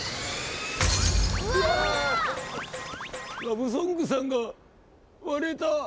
ラブソングさんが割れた。